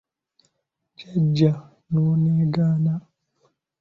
Jjajja n'onneegaana!